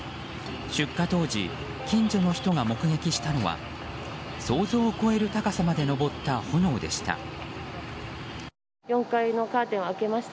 出火当時近所の人が目撃したのは想像を超える高さまで上った炎でした。